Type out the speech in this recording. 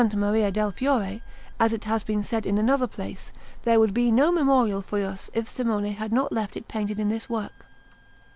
Maria del Fiore, as it has been said in another place, there would be no memorial for us if Simone had not left it painted in this work.